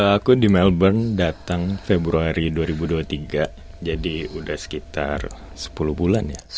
aku di melbourne datang februari dua ribu dua puluh tiga jadi udah sekitar sepuluh bulan ya